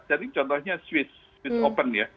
jadi contohnya swiss open ya